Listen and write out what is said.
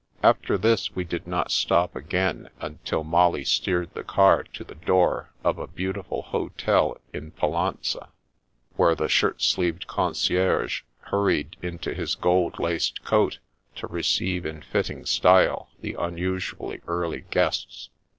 After this we did not stop again until Molly steered the car to the door of a beautiful hotel in Pallanza, where the shirt sleeved concierge hurried into his gold laced coat, to receive in fitting style the unusually early guests.